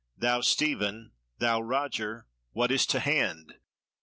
Thou Stephen, thou Roger, what is to hand?